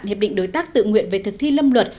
hiệp định đối tác tự nguyện về thực thi lâm luật